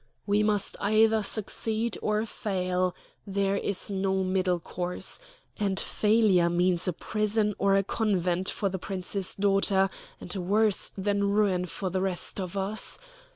"We must either succeed or fail there is no middle course; and failure means a prison or a convent for the Prince's daughter, and worse than ruin for the rest of us.